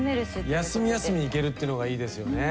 休み休み行けるっていうのがいいですよね。